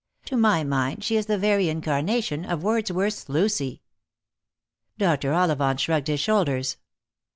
To my mind she is the very incarnation of Wordsworth's Lucy." Dr. Ollivant shrugged his shoulders.